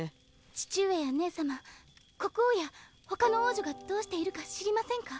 父上や姉様国王やほかの王女がどうしているか知りませんか？